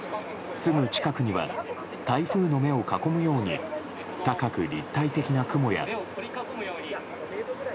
すぐ近くには台風の目を囲むように高く立体的な雲や。